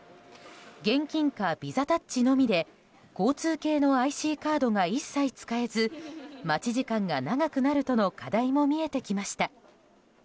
現金かＶＩＳＡタッチのみで交通系のＩＣカードが一切使えず待ち時間が長くなるとの課題も見えてきました。